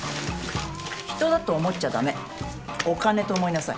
人だと思っちゃだめお金と思いなさい。